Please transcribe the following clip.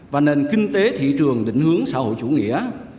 và nền kinh tế thị trường định hướng xã hội chủ nghĩa